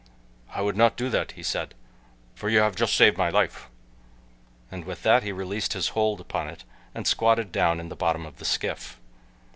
"I would not do that," he said, "for you have just saved my life," and with that he released his hold upon it and squatted down in the bottom of the skiff.